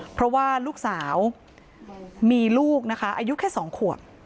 เพราะว่าลูกสาวมีลูกนะคะอายุแค่๒ขวบ